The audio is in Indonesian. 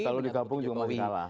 lalu di kampung juga mencala